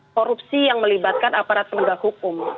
korupsi yang melibatkan aparat penegak hukum